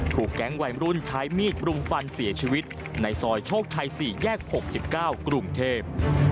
ผู้แก๊งวัยมรุ่นใช้มีดบลุงฟันเสียชีวิตในซอยโชคทัยสี่แยกหกสิบเก้ากรุงเทพ